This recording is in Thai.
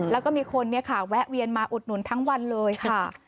แล้วก็มีคนแวะเวียนมาอุดหนุนทั้งวันเลยค่ะ